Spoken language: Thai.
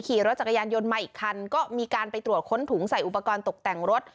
ขี่รถจักรยานยนต์มาอีกคันก็มีการไปตรวจค้นถุงใส่อุปกรณ์ตกแต่งรถ